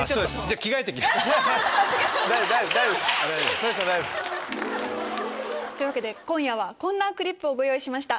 大丈夫です大丈夫です！というわけで今夜はこんなクリップをご用意しました。